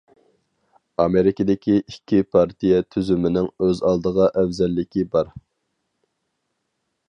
ئامېرىكىدىكى ئىككى پارتىيە تۈزۈمىنىڭ ئۆز ئالدىغا ئەۋزەللىكى بار.